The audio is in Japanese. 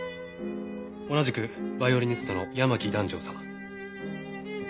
同じくバイオリニストの山木弾正さん。